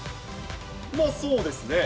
まあそうですね。